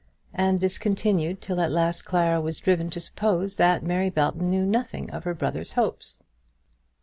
And this continued till at last Clara was driven to suppose that Mary Belton knew nothing of her brother's hopes.